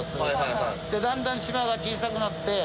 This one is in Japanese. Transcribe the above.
だんだん島が小さくなって。